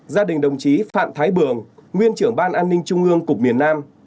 gia đình đồng chí phạm thái bường nguyên trưởng ban an ninh trung ương cục miền nam